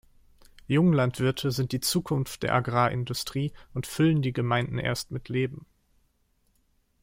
Junglandwirte sind die Zukunft der Agrarindustrie und füllen die Gemeinden erst mit Leben.